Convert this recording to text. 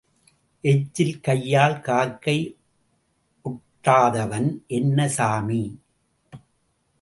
எச்சில் கையால் காக்கை ஓட்டாதவன் என்ன சாமி?